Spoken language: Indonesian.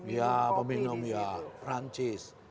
ya peminum ya francis